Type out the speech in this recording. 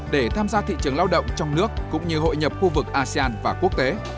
để tham gia thị trường lao động trong nước cũng như hội nhập khu vực asean và quốc tế